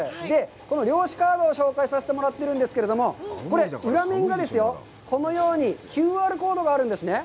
この漁師カードを紹介させてもらってるんですけど、これ、裏面がですよ、このようにＱＲコードがあるんですね。